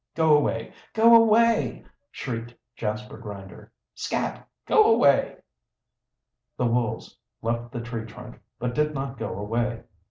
"Go away! Go away!" shrieked Jasper Grinder. "Scat! Go away!" The wolves left the tree trunk, but did not go away.